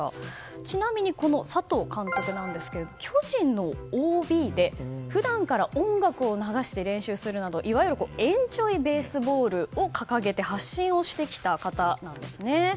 ちなみに佐藤監督なんですが巨人のＯＢで普段から音楽を流して練習をするなどいわゆるエンジョイベースボールを掲げて発信をしてきた方なんですね。